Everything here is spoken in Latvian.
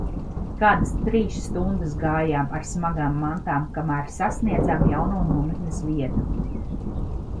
Kādas trīs stundas gājām, ar smagām mantām, kamēr sasniedzām jauno nometnes vietu.